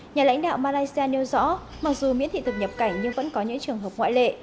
nhà lãnh đạo malaysia nêu rõ mặc dù miễn thị thực nhập cảnh nhưng vẫn có những trường hợp ngoại lệ